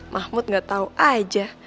mahmud gak tau aja